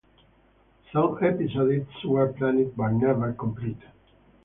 Some episodes were planned but never completed.